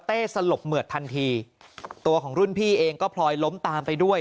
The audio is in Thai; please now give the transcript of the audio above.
สลบเหมือดทันทีตัวของรุ่นพี่เองก็พลอยล้มตามไปด้วย